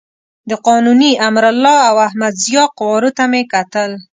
د قانوني، امرالله او احمد ضیاء قوارو ته مې کتل.